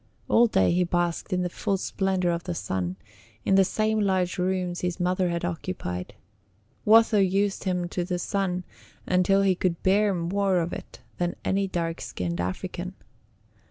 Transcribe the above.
All day he basked in the full splendor of the sun, in the same large rooms his mother had occupied. Watho used him to the sun until he could bear more of it than any dark skinned African.